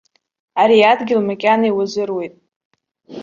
Ари адгьыл макьана иуазыруеит.